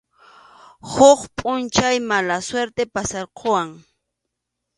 Huk pʼunchaw mala suerte pasarquwan.